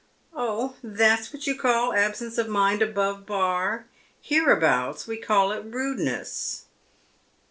" Oh, that's what you call absence of mind above Bar. Here abouts we call it rudeness."